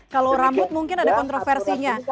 kalau rambut mungkin ada kontroversinya